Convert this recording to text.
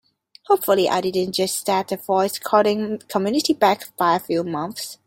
Hopefully I didn't just set the voice coding community back by a few months!